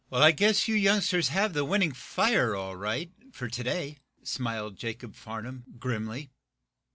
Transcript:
"I guess you youngsters have the winning fire all right, for to day," smiled Jacob Farnum, grimly.